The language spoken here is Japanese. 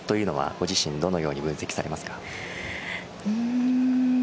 ご自身どのように分析されますか？